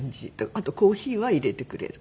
あとコーヒーは入れてくれる。